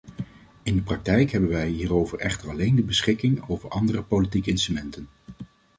In de praktijk hebben wij hiervoor echter alleen de beschikking over andere politieke instrumenten.